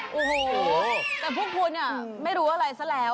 โอ้โหแต่พวกคุณไม่รู้อะไรซะแล้ว